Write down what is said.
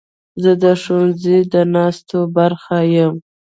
زه د ښوونځي د ناستو برخه یم.